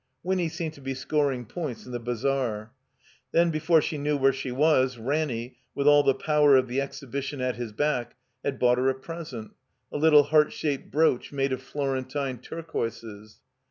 Winny seemed to be scoring points in the bazaar. Then, before she knew where she was, Ranny, with all the power of the Exhibition at his back, had bought her a present, a little heart shaped brooch made of Florentine turquoises.